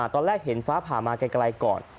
ตอนแรกเห็นฟ้าผ่ามาไกลก่อน